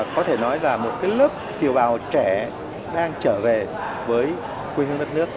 có thể nói là một lớp kiều bào trẻ đang trở về với quê hương đất nước